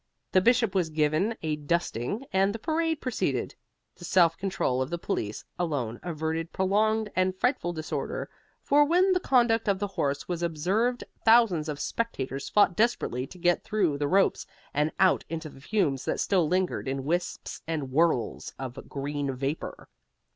The Bishop was given a dusting, and the parade proceeded. The self control of the police alone averted prolonged and frightful disorder, for when the conduct of the horse was observed thousands of spectators fought desperately to get through the ropes and out into the fumes that still lingered in wisps and whorls of green vapor.